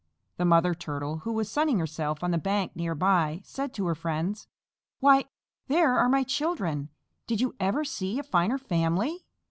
The Mother Turtle who was sunning herself on the bank near by, said to her friends, "Why! There are my children! Did you ever see a finer family?